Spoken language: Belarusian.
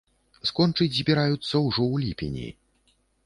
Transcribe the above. Скончыць збіраюцца ўжо ў ліпені!